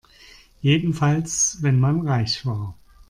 Jedenfalls wenn man reich war.